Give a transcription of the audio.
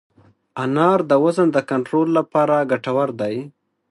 انار د وزن د کنټرول لپاره ګټور دی.